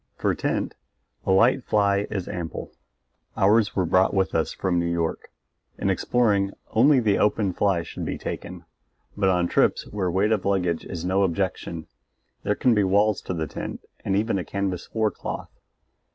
For tent a light fly is ample; ours were brought with us from New York. In exploring only the open fly should be taken; but on trips where weight of luggage is no objection, there can be walls to the tent and even a canvas floor cloth.